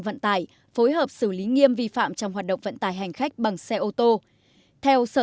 vận tải phối hợp xử lý nghiêm vi phạm trong hoạt động vận tải hành khách bằng xe ô tô theo sở